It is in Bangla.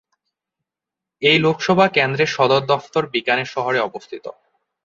এই লোকসভা কেন্দ্রর সদর দফতর বিকানের শহরে অবস্থিত।